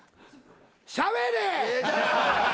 しゃべれ！